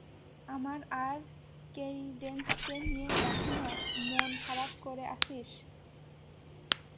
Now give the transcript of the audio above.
আমার আর কেইডেন্সকে নিয়ে এখনো মন খারাপ করে আছিস?